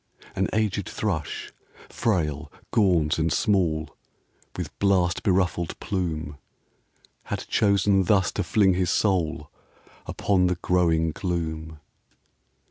An aged thrush, frail, gaunt and small, With blast beruffled plume, Had chosen thus to fling his soul Upon the growing gloom.